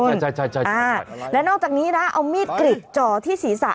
อ๋อใช่ใช่ใช่ใช่อ่าและนอกจากนี้นะเอามีดกรีดจ่อที่ศรีษะ